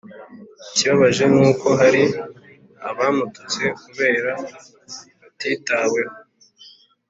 Ikibabaje nuko hari abamututse kubera batitaweho